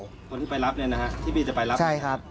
เป็นคนที่ไปรับเนี่ยนะครับที่บีจะไปรับเนี่ยนะครับ